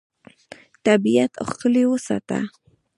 طبیعت ښکلی وساته.